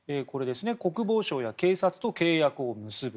国防省や警察と契約を結ぶ。